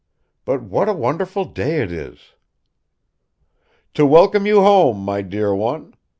"But what a wonderful day it is!" "To welcome you home, my dear one.